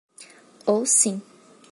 Oh sim.